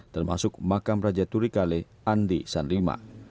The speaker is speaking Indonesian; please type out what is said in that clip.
termasuk makam raja turi kale andi sandrimak